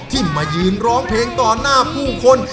ที่มายืนร้องเพลงต่อหน้าผู้คน